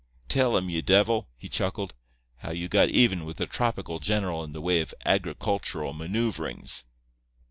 "Tell 'em, ye divil," he chuckled, "how you got even with the tropical general in the way of agricultural manœuvrings."